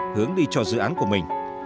hướng đi cho dự án của mình